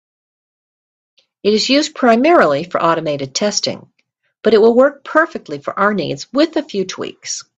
It is used primarily for automated testing, but it will work perfectly for our needs, with a few tweaks.